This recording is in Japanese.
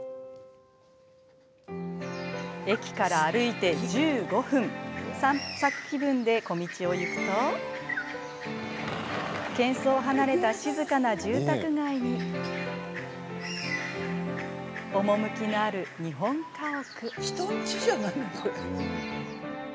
駅から歩いて１５分散策気分で小道を行くとけん騒を離れた静かな住宅街に趣のある日本家屋。